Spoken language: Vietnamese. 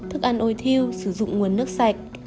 thức ăn ôi thiêu sử dụng nguồn nước sạch